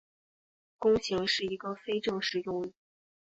弓形是一个非正式用语。